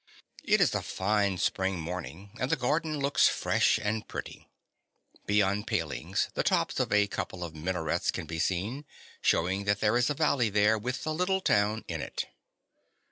It is a fine spring morning; and the garden looks fresh and pretty. Beyond the paling the tops of a couple of minarets can be seen, shewing that there is a valley there, with the little town in it.